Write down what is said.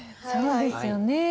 そうですよね